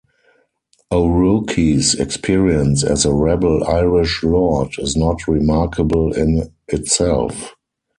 O'Rourke's experience as a rebel Irish lord is not remarkable in itself.